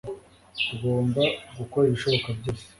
Tugomba gukora ibishoboka byose